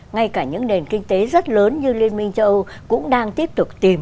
ngay cả những nền kinh tế rất lớn như liên minh châu âu cũng đang tiếp tục tìm